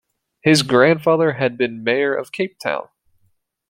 His grandfather had been mayor of Cape Town.